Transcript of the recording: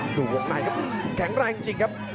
วงในครับแข็งแรงจริงครับ